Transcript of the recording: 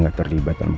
gak ada apa apa